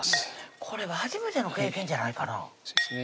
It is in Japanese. これは初めての経験じゃないかなそうですね